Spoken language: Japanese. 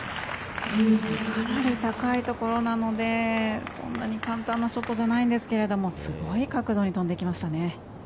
かなり高いところなのでそんなに簡単なショットではないんですがすごい角度に飛んできましたね。